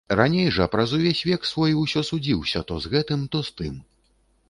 Раней жа праз увесь век свой усё судзіўся то з гэтым, то з тым.